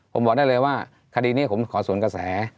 ผมบอกได้เลยว่าคดีนี้ผมขอสวนกระแส